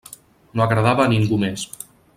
No agradava a ningú més.